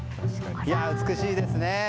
美しいですね。